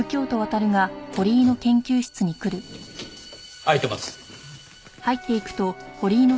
開いてます。